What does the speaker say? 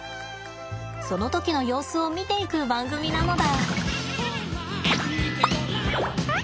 その時の様子を見ていく番組なのだ。